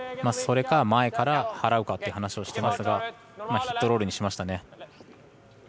それから、前から払うかっていう話をしていますがヒットロールにしました。